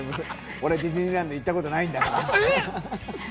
俺ディズニーランド行ったことないんだから。